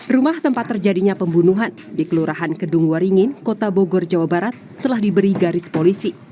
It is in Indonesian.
rumah tempat terjadinya pembunuhan di kelurahan kedung waringin kota bogor jawa barat telah diberi garis polisi